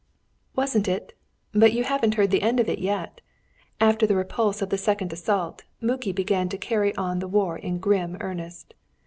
"Wasn't it! But you haven't heard the end of it yet. After the repulse of the second assault, Muki began to carry on the war in grim earnest.